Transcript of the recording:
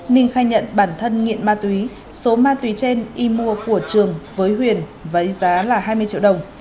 ninh khai nhận bản thân nghiện ma túy số ma túy trên y mua của trường với huyền với giá là hai mươi triệu đồng